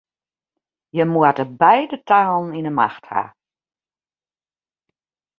Je moatte beide talen yn 'e macht ha.